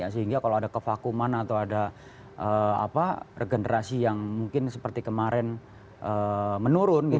sehingga kalau ada kevakuman atau ada regenerasi yang mungkin seperti kemarin menurun